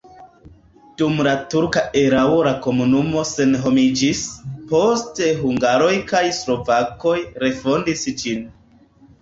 Dum la turka erao la komunumo senhomiĝis, poste hungaroj kaj slovakoj refondis ĝin.